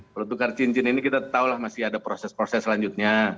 kalau tukar cincin ini kita tahu lah masih ada proses proses selanjutnya